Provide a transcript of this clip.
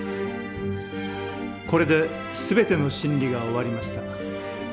これで全ての審理が終わりました。